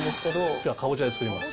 きょうはかぼちゃで作ります。